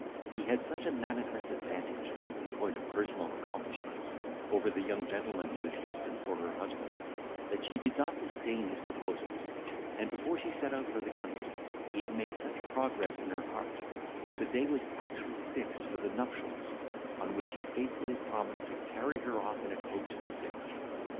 He had such a manifest advantage, in point of personal accomplishments, over the young gentleman who was destined for her husband, that she did not disdain his proposals; and, before she set out for the country, he had made such progress in her heart, that the day was actually fixed for their nuptials, on which he faithfully promised to carry her off in a coach and six.